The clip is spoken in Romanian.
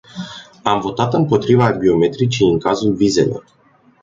Am votat împotriva biometricii în cazul vizelor.